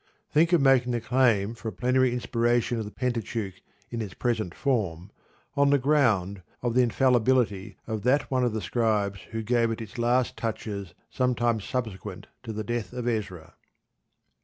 Think of making the claim for a plenary inspiration of the Pentateuch in its present form on the ground of the infallibility of that one of the scribes who gave it its last touches some time subsequent to the death of Ezra."